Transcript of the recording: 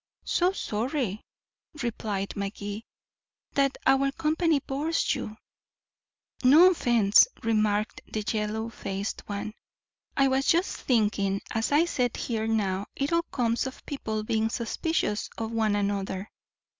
"So sorry," replied Magee, "that our company bores you." "No offense," remarked the yellow faced one. "I was just thinking as I set here how it all comes of people being suspicious of one another.